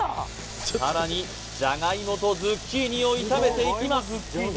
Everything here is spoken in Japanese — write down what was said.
さらにじゃがいもとズッキーニを炒めていきます